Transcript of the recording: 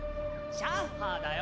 シャッハーだよ。